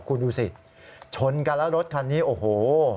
คุณดูสิชนกันแล้วรถคันนี้โอ้โห